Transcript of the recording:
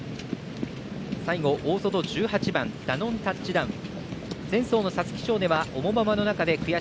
最後、大外１８番ダノンタッチダウン。